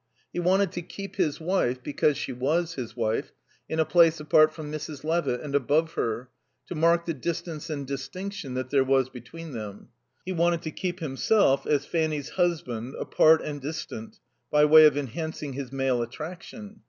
He wanted to keep his wife, because she was his wife, in a place apart from Mrs. Levitt and above her, to mark the distance and distinction that there was between them. He wanted to keep himself, as Fanny's husband, apart and distant, by way of enhancing his male attraction.